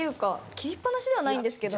切りっぱなしではないんですけど。